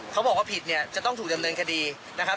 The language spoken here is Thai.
เขาบอกว่าผิดเนี่ยจะต้องถูกดำเนินคดีนะครับ